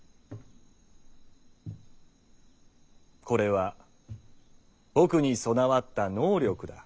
これは僕に備わった「能力」だ。